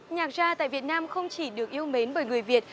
nhạc gia tại việt nam không chỉ được yêu mến bởi người việt